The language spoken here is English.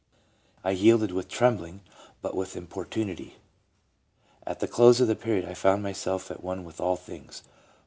I yielded with trembling, but with im portunity. At the close of the period I found myself at one with all things."